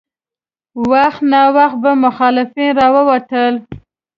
وخت ناوخت به مخالفین راوتل.